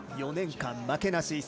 ４年間負けなし。